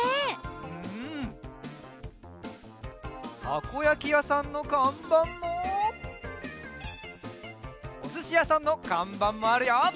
たこやきやさんのかんばんもおすしやさんのかんばんもあるよ！